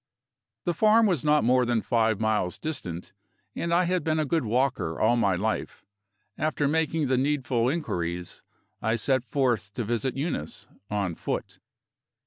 The farm was not more than five miles distant, and I had been a good walker all my life. After making the needful inquiries, I set forth to visit Eunice on foot.